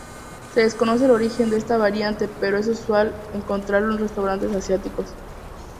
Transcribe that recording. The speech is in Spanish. Se desconoce el origen de esta variante pero es usual encontrarlo en restaurantes asiáticos.